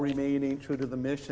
sedangkan tetap menjaga misi